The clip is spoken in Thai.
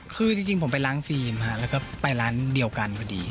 คือจริงผมไปล้างฟิล์มแล้วก็ไปร้านเดียวกันพอดี